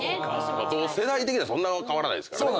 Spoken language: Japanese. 世代的にはそんな変わらないですからね。